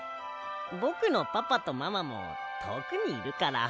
ぼくのパパとママもとおくにいるから。